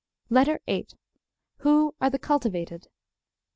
LETTER VIII. WHO ARE THE CULTIVATED?